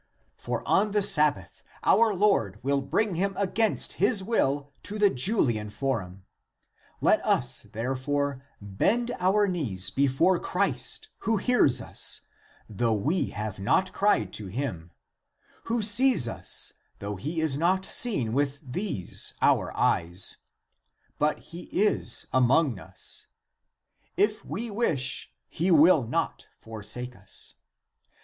For on the Sabbath our Lord will bring him against his will to the Julian forum. Let us therefore bend our knees before Christ, who hears us, though we have not cried (to him) ; who sees us, though he is not seen with these (our) eyes, but he is among us; if we wish, he will not forsake us.